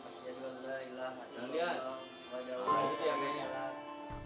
diadakan ustadz halim